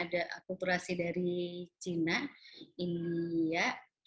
terhadap akulturasi budaya hai menambahkan kembang tebu dan menambahkan kembang tebu